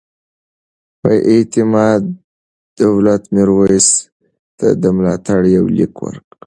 اعتمادالدولة میرویس ته د ملاتړ یو لیک ورکړ.